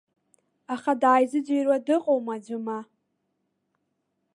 Аха дааизыӡырҩуа дыҟоума аӡәы ма!